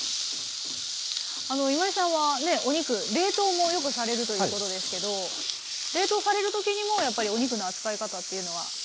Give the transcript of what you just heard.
あの今井さんはお肉冷凍もよくされるということですけど冷凍される時にもやっぱりお肉の扱い方というのは？